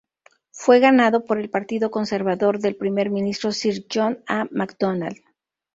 Fue ganado por el Partido Conservador del Primer Ministro Sir John A. Macdonald.